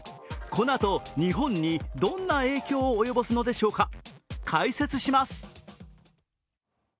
このあと日本にどんな影響を及ぼすのでしょうか、解説します。